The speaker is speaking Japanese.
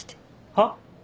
はっ？